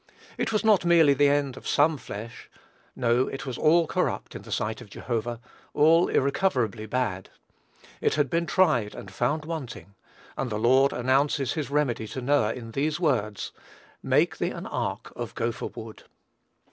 It was not merely the end of some flesh; no, it was all corrupt, in the sight of Jehovah, all irrecoverably bad. It had been tried, and found wanting; and the Lord announces his remedy to Noah in these words, "Make thee an ark of gopher wood."